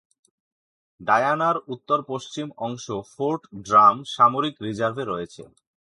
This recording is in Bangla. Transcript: ডায়ানার উত্তর-পশ্চিম অংশ ফোর্ট ড্রাম সামরিক রিজার্ভে রয়েছে।